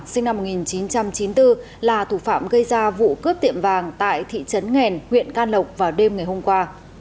sinh năm một nghìn chín trăm chín mươi bốn là thủ phạm gây ra vụ cướp tiệm vàng tại thị trấn nghèn huyện can lộc vào đêm ngày hôm qua